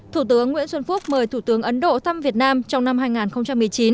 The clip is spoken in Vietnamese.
thủ tướng nguyễn xuân phúc mời thủ tướng ấn độ thăm việt nam trong năm hai nghìn một mươi chín